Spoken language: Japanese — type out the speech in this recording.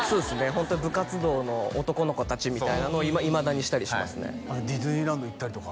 ホント部活動の男の子達みたいなのをいまだにしたりますねディズニーランド行ったりとか？